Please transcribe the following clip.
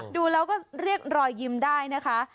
ดูแล้วก็เรียกรอยยิ้มได้นะคะ